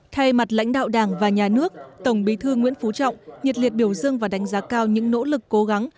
thay mặt lãnh đạo đảng và nhà nước tổng bí thư nguyễn phú trọng nhiệt liệt biểu dương và đánh giá cao những nỗ lực cố gắng